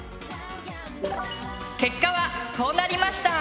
結果はこうなりました。